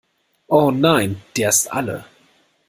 Oh nein, der ist alle!